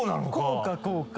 こうかこうか。